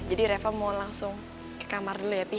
jadi reva mau langsung ke kamar dulu ya pi